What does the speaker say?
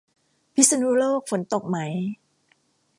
พิษณุโลกฝนตกไหม